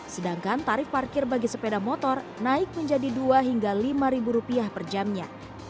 sedangkan tarif parkir bagi sepeda motor naik menjadi dua hingga rp lima per jamnya